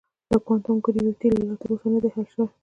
د کوانټم ګرویټي لا تر اوسه نه دی حل شوی.